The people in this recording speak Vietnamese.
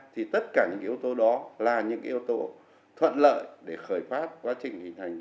thì tất cả những yếu tố đó là những yếu tố thuận lợi để khởi phát quá trình hình thành cái ung thư